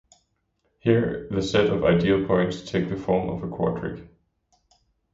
Here, the set of ideal points takes the form of a quadric.